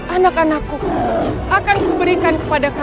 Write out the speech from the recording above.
anak anakku akan memberikan kepada kami